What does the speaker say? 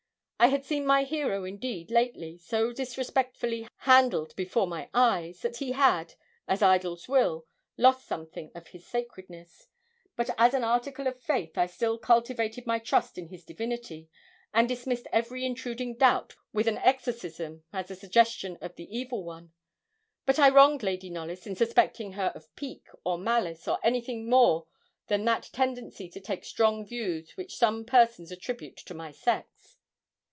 I had seen my hero indeed lately so disrespectfully handled before my eyes, that he had, as idols will, lost something of his sacredness. But as an article of faith, I still cultivated my trust in his divinity, and dismissed every intruding doubt with an exorcism, as a suggestion of the evil one. But I wronged Lady Knollys in suspecting her of pique, or malice, or anything more than that tendency to take strong views which some persons attribute to my sex.